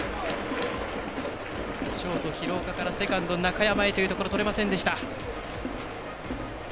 ショート、廣岡からセカンド、中山へというところとれませんでした。